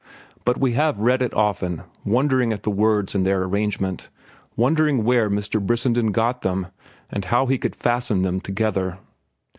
But we have read it often, wondering at the words and their arrangement, wondering where Mr. Brissenden got them, and how he could fasten them together."